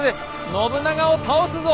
信長を倒すぞ！